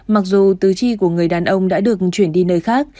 mặc dù tứ chi của người đàn ông đã được chuyển đi nơi khác